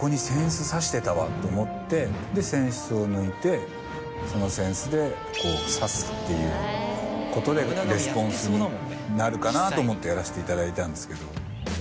ここに。と思ってで扇子を抜いてその扇子でさすっていうことでレスポンスになるかなと思ってやらせていただいたんですけど。